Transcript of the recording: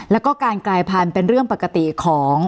แล้วก็การกลายพันธุ์เป็นเรื่องปกติของ